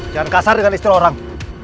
jangan kasar dengan istilah orang